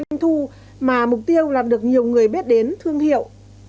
công tiêu là được nhiều người biết đến thương hiệu